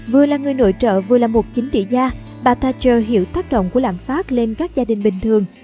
vừa là người nội trợ vừa là một chính trị gia bà thatcher hiểu tác động của lạm phát lên các gia đình bình thường